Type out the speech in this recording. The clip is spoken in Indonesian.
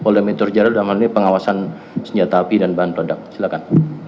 dan jurnal jalan dalam hal ini pengawasan senjata api dan bahan produk silakan